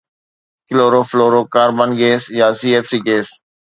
chloro fluoro carbon gas يا C F C gas